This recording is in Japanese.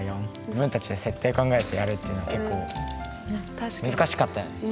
自分たちが設定考えてやるっていうの結構難しかったよね。